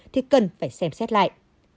thì cần phải xem xét lại